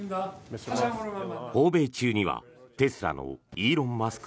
訪米中にはテスラのイーロン・マスク